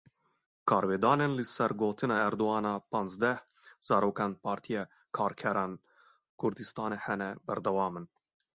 Karvedanên li ser gotina Erdogan a panzdeh zarokên Partiya Karkerên Kurdistanê hene, berdewam in.